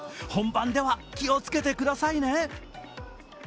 本番では気を付けてくださいね。